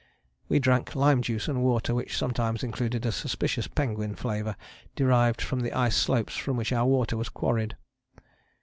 We drank lime juice and water which sometimes included a suspicious penguin flavour derived from the ice slopes from which our water was quarried.